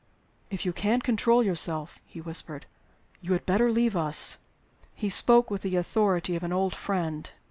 "If you can't control yourself," he whispered, "you had better leave us." He spoke with the authority of an old friend.